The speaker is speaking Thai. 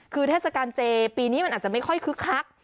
คือเทศกาลเจปีนี้มันอาจจะไม่ค่อยคึกคัก